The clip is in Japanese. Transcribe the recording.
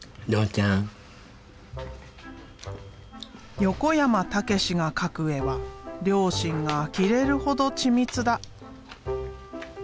横山岳史が描く絵は両親があきれるほど緻密だ。